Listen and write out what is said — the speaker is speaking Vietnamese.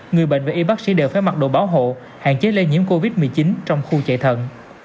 người bệnh và y bác sĩ đều phải mặc đồ bảo hộ hạn chế lây nhiễm covid một mươi chín trong khu chạy thận